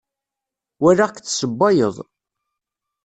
Walaɣ-k tessewwayeḍ.